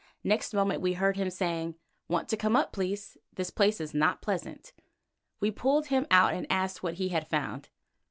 Next moment we heard him saying: "Want to come up, please. This place is not pleasant." We pulled him out and asked what he had found.